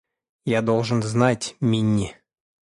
Я должен знать, Минни!